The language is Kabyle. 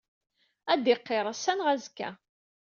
Ad d-iqirr, ass-a neɣ azekka.